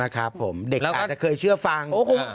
ครับผมเด็กเราอาจจะเคยเชื่อฟัง